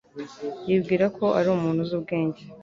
Yibwira ko ari umuntu uzi ubwenge.